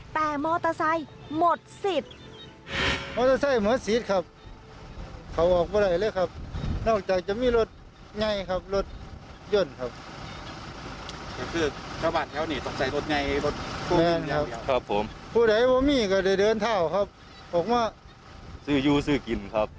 แต่มอเตอร์ไซค์หมดสิทธิ์